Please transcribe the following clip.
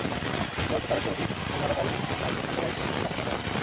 ইবাদতে তাদের চেয়ে অধিক মুজাহাদাকারী তিনি আর কোন সম্প্রদায়কে কখনো দেখেন নি।